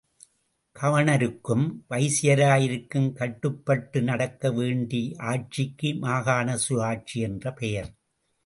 கவர்னருக்கும் வைசியராயிக்கும் கட்டுப்பட்டு நடக்க வேண்டிய ஆட்சிக்கு மாகாண சுயாட்சி என்று பெயர்.